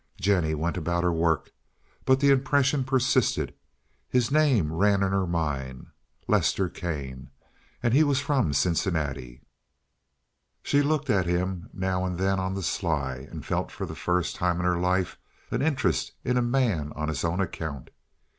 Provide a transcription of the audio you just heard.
Jennie went about her work, but the impression persisted; his name ran in her mind. Lester Kane. And he was from Cincinnati. She looked at him now and then on the sly, and felt, for the first time in her life, an interest in a man on his own account.